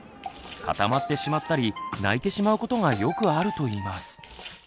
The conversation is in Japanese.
固まってしまったり泣いてしまうことがよくあるといいます。